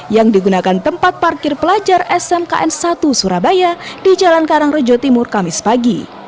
yang digunakan tempat parkir pelajar smkn satu surabaya di jalan karangrejo timur kamis pagi